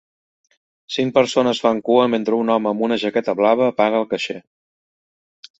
Cinc persones fan cua mentre un home amb una jaqueta blava paga al caixer.